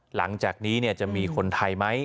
หลังจากนี้จะมีคนไทยไหม